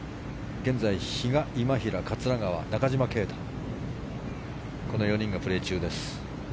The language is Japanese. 現在、比嘉、今平、桂川中島啓太の４人がプレー中です。